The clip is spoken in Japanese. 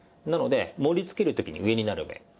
なので盛り付ける時に上になる面。